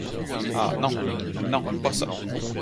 Ah ! non, non pas ça !